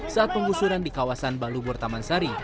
saat pengusuran di kawasan balubur tamansari